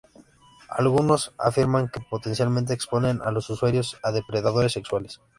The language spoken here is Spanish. Algunos afirman que potencialmente exponen a los usuarios a depredadores sexuales.